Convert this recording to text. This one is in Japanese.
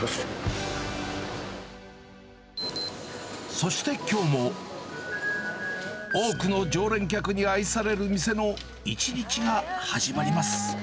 そしてきょうも、多くの常連客に愛される店の一日が始まります。